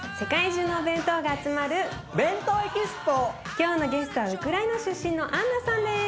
今日のゲストはウクライナ出身のアンナさんです。